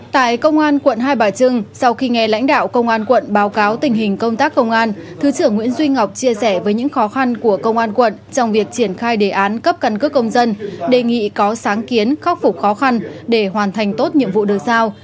tại công an quận hai bà trưng sau khi nghe lãnh đạo công an quận báo cáo tình hình công tác công an thứ trưởng nguyễn duy ngọc chia sẻ với những khó khăn của công an quận trong việc triển khai đề án cấp căn cước công dân đề nghị có sáng kiến khắc phục khó khăn để hoàn thành tốt nhiệm vụ được sao